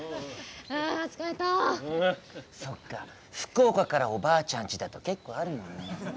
そっか福岡からおばあちゃんちだと結構あるもんね。